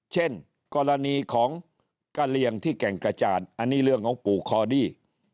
เช่นกรณีของกะเลียงที่แก่งกระจานอันนี้เรื่องของปู่คอดี้